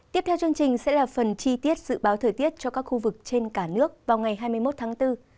tiếp theo chương trình sẽ là phần chi tiết dự báo thời tiết cho các khu vực trên cả nước vào ngày hai mươi một tháng bốn